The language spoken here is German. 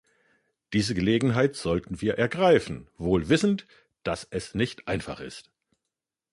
Diese Gelegenheit sollten wir ergreifen, wohlwissend, dass es nicht einfach ist.